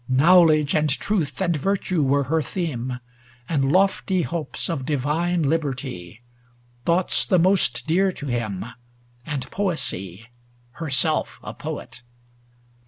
Knowledge and truth and virtue were her themCj And lofty hopes of divine liberty, 159 Thoughts the most dear to him, and poesy, Herself a poet.